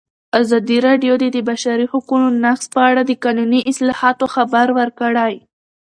ازادي راډیو د د بشري حقونو نقض په اړه د قانوني اصلاحاتو خبر ورکړی.